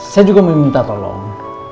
saya juga mau minta tolong